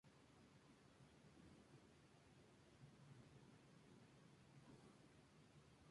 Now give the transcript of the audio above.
Algunos de estos grupos están anatómicamente bien organizados y poseen propiedades singulares.